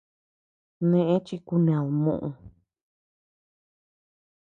Neʼë chi kuned muʼu.